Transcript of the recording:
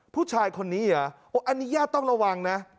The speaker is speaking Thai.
ผู้ชายคนนี้เหรออันนี้ญาติต้องระวังนะ